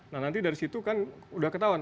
nah nanti dari situ kan udah ketahuan